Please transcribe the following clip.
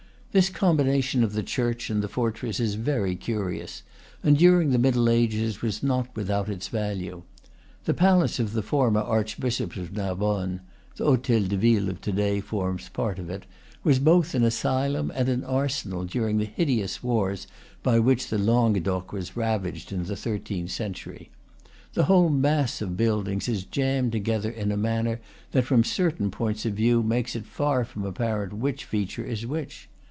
This combination of the church and the for tress is very curious, and during the Middle Ages was not without its value. The palace of the former arch bishops of Narbonne (the hotel de ville of to day forms part of it) was both an asylum and an arsenal during the hideous wars by which the Languedoc was ravaged in the thirteenth century. The whole mass of buildings is jammed together in a manner that from certain points of view makes it far from apparent which feature is which.